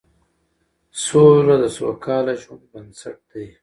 سوله د سوکاله ژوند بنسټ دی